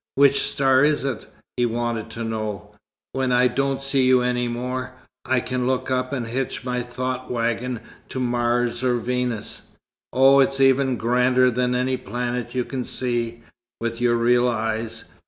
"Which star is it?" he wanted to know. "When I don't see you any more, I can look up and hitch my thought wagon to Mars or Venus." "Oh, it's even grander than any planet you can see, with your real eyes.